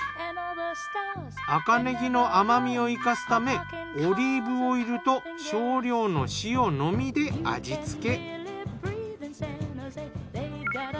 赤ねぎの甘味を生かすためオリーブオイルと少量の塩のみで味付け。